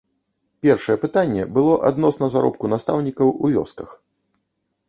Першае пытанне было адносна заробку настаўнікаў у вёсках.